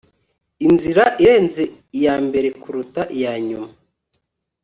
inzira irenze iyambere kuruta iyanyuma